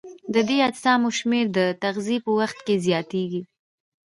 د دې اجسامو شمېر د تغذیې په وخت کې زیاتیږي.